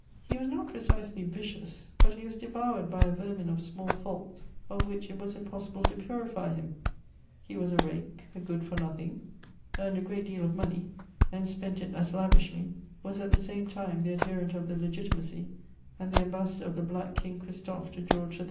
He was not precisely vicious: but he was devoured by a vermin of small faults of which it was impossible to purify him; he was a rake, a good for nothing, earned a great deal of money and spent it as lavishly, was at the same time the adherent of the Legitimacy and the ambassador of the black King Christophe to George III.